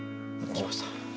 きました